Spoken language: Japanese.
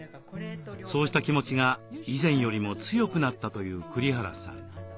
そうした気持ちが以前よりも強くなったという栗原さん。